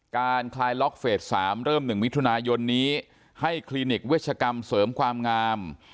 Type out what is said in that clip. คลายล็อกเฟส๓เริ่ม๑มิถุนายนนี้ให้คลินิกเวชกรรมเสริมความงาม